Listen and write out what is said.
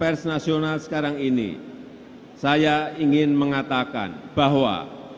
pers nasional sekarang ini saya ingin mengatakan bahwa